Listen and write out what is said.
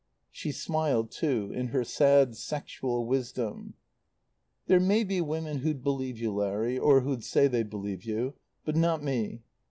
She smiled, too, in her sad sexual wisdom. "There may be women who'd believe you, Larry, or who'd say they believe you; but not me."